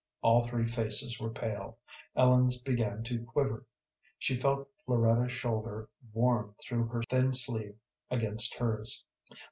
All three faces were pale Ellen's began to quiver. She felt Floretta's shoulder warm through her thin sleeve against hers.